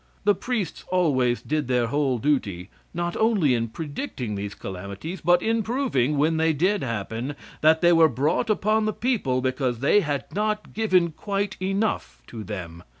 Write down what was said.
The priests always did their whole duty, not only in predicting these calamities, but in proving, when they did happen, that they were brought upon the people because they had not given quite enough to them.